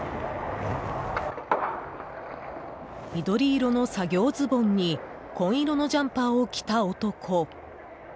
緑色の作業ズボンに紺色のジャンパーを着た男。